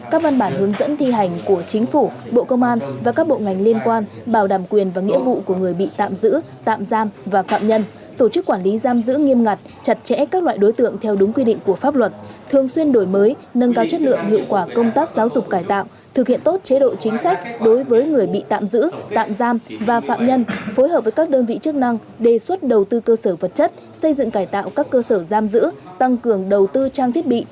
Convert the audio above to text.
các văn bản hướng dẫn thi hành của chính phủ bộ công an và các bộ ngành liên quan bảo đảm quyền và nghĩa vụ của người bị tạm giữ tạm giam và phạm nhân tổ chức quản lý giam giữ nghiêm ngặt chặt chẽ các loại đối tượng theo đúng quy định của pháp luật thường xuyên đổi mới nâng cao chất lượng hiệu quả công tác giáo dục cải tạo thực hiện tốt chế độ chính sách đối với người bị tạm giữ tạm giam và phạm nhân phối hợp với các đơn vị chức năng đề xuất đầu tư cơ sở vật chất xây dựng cải tạo các cơ sở giam gi